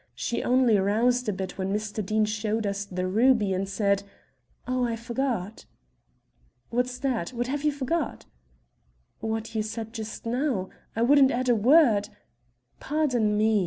She only roused a bit when Mr. Deane showed us the ruby and said Oh, I forgot!" "What's that? What have you forgot?" "What you said just now. I wouldn't add a word " "Pardon me!"